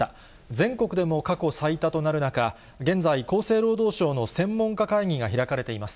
全国でも過去最多となる中、現在、厚生労働省の専門家会議が開かれています。